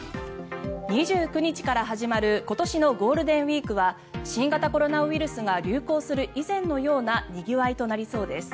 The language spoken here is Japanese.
２９日から始まる今年のゴールデンウィークは新型コロナウイルスが流行する以前のようなにぎわいとなりそうです。